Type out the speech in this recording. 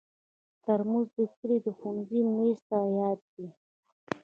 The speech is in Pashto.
ترموز د کلي د ښوونځي میز ته یاد دی.